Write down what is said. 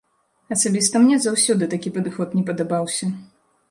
Асабіста мне заўсёды такі падыход не падабаўся.